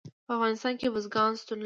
په افغانستان کې بزګان شتون لري.